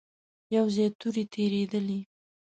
يو ځای تورې تېرېدلې.